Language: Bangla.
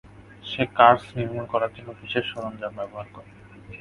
সে কার্স নির্মূল করার জন্য বিশেষ সরঞ্জাম ব্যবহার করে।